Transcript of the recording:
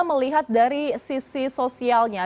melihat dari sisi sosialnya